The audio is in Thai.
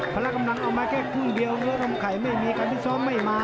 ละกำลังเอามาแค่คู่เดียวเนื้อนมไข่ไม่มีการพิซ้อมไม่มา